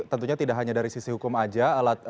tentunya tidak hanya dari sisi hukum saja alat